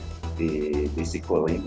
bagaimana anda dalam proses syutingnya ini bron